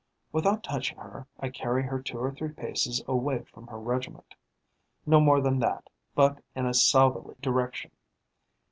Without touching her, I carry her two or three paces away from her regiment: no more than that, but in a southerly direction.